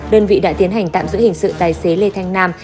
đơn vị đã tiến hành tạm giữ hình sự tài xế lê thanh nam